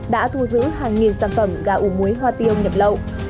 đã thu giữ hàng nghìn sản phẩm gà ủ muối hoa tiêu nhập lậu